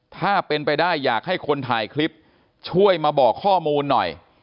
ถ้าเป็นไปได้อยากให้คนถ่ายคลิปช่วยมาบอกข้อมูลหน่อย